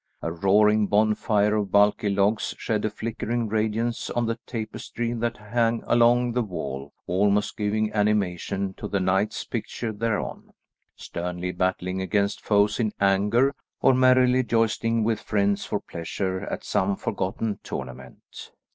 A roaring bonfire of bulky logs shed a flickering radiance on the tapestry that hung along the wall, almost giving animation to the knights pictured thereon, sternly battling against foes in anger, or merrily joisting with friends for pleasure at some forgotten tournament.